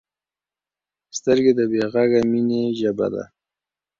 سترګې د بې غږه مینې ژبه ده